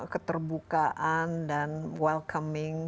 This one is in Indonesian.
keterbukaan dan welcoming